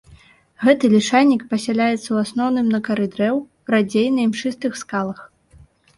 Гэты лішайнік пасяляецца ў асноўным на кары дрэў, радзей на імшыстых скалах.